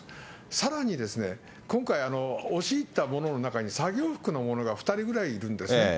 さらにですね、今回、押し入ったものの中に作業服の者が２人ぐらいいるんですね。